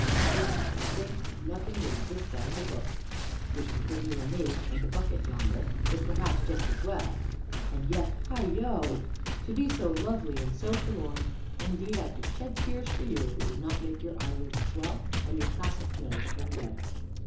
can see, or think, of nothing that exists out of a book which, between you and me and the bucket yonder, is perhaps just as well and yet heigho! To be so lovely and so forlorn! indeed, I could shed tears for you if it would not make your eyelids swell and your classic nose turn red."